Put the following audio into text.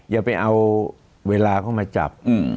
อย่าไปเอาเวลาเข้ามาจับ